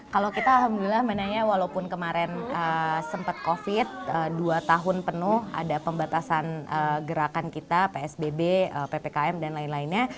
kalau kita alhamdulillah menanya walaupun kemarin sempat covid dua tahun penuh ada pembatasan gerakan kita psbb ppkm dan lain lainnya